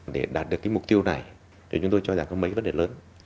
để đạt được cái mục tiêu này thì chúng tôi cho rằng có mấy vấn đề lớn